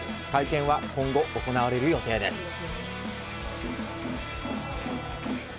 会見は今後行われる予定です。